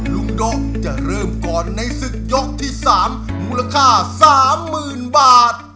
โด๊จะเริ่มก่อนในศึกยกที่๓มูลค่า๓๐๐๐บาท